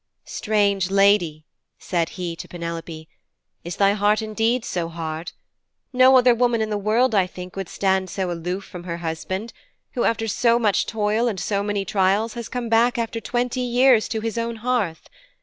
'Strange lady,' said he to Penelope, 'is thy heart indeed so hard? No other woman in the world, I think, would stand so aloof from her husband who, after so much toil and so many trials, has come back after twenty years to his own hearth.